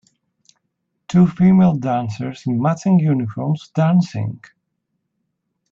Two female dancers in matching uniforms dancing.